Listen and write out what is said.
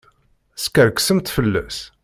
Teskerksemt fell-as!